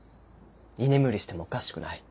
居眠りしてもおかしくない。